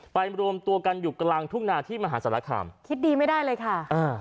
รวมตัวกันอยู่กลางทุ่งนาที่มหาศาลคามคิดดีไม่ได้เลยค่ะอ่า